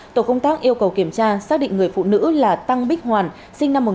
tổ công tác yêu cầu kiểm tra xác định người phụ nữ là tăng bích hoàn sinh năm một nghìn chín trăm tám mươi